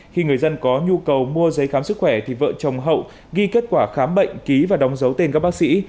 khi người dân có nhu cầu mua giấy khám sức khỏe thì vợ chồng hậu ghi kết quả khám bệnh ký và đóng dấu tên các bác sĩ